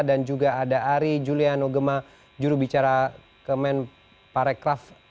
dan juga ada ari juliano gema juru bicara kemen parekraf